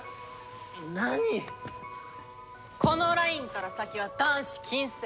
このラインから先は男子禁制！